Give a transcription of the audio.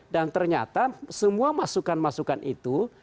dan ternyata semua masukan masukan itu